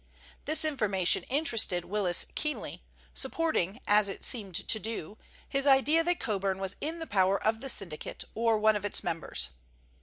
This information interested Willis keenly, supporting, as it seemed to do, his idea that Coburn was in the power of the syndicate or one of its members.